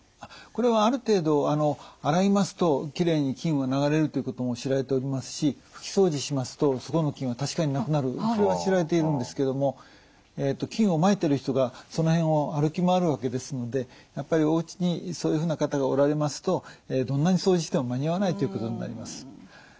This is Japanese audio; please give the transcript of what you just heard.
これはある程度洗いますときれいに菌は流れるっていうことも知られておりますし拭き掃除しますとそこの菌は確かになくなるそれは知られているんですけども菌をまいてる人がその辺を歩き回るわけですのでやっぱりおうちにそういうふうな方がおられますとどんなに掃除しても間に合わないということになります。